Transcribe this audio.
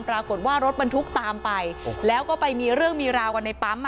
ปรากฏว่ารถบรรทุกตามไปแล้วก็ไปมีเรื่องมีราวกันในปั๊มอ่ะ